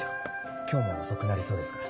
今日も遅くなりそうですから。